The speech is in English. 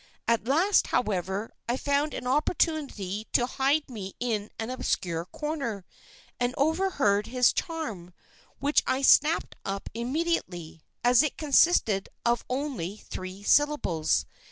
At last, however, I found an opportunity to hide me in an obscure corner, and overheard his charm, which I snapped up immediately, as it consisted of only three syllables.